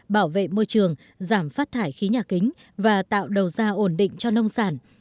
bảo vệ môi trường giảm phát thải khí nhà kính và tạo đầu ra ổn định cho nông sản